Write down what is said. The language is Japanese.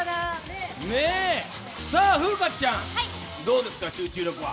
風花ちゃん、どうですか、集中力は。